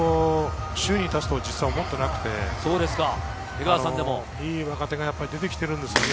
首位に立つとは実は思ってなくて、いい若手が出てきているんですよね。